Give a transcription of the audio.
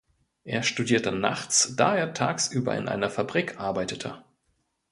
Er studierte nachts, da er tagsüber in einer Fabrik arbeitete.